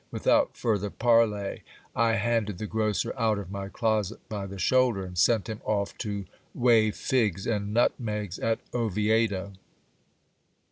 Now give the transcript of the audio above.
Without further parley I handed the grocer out of my closet by the shoulder, and sent him off to weigh figs and nutmegs at Oviedo.